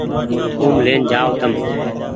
ٿوم لين جآئو تم ۔